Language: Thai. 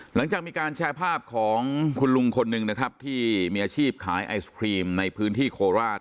หลังจากมีการแชร์ภาพของคุณลุงคนหนึ่งนะครับที่มีอาชีพขายไอศครีมในพื้นที่โคราช